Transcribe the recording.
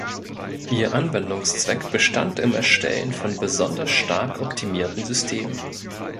Ihr Anwendungszweck bestand im Erstellen von besonders stark optimierten Systemen.